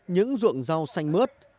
những ruộng rau xanh mướt